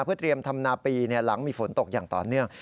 เพื่อเตรียมทำนาปีหลังมีฝนตกอย่างต่อเนื่อง